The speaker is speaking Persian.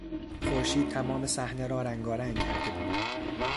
خورشید تمام صحنه را رنگارنگ کرده بود.